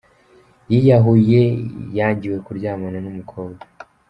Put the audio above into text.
Yiyahuye yangiwe kuryamana n’umukobwa